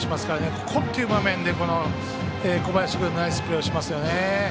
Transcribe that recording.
ここっていう場面で小林君ナイスプレーをしますよね。